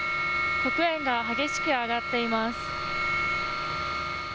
黒煙が激しく上がっています。